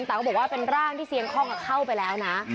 แต่ก็บอกว่าเป็นร่างที่เซียงคล่องเข้าไปแล้วนะ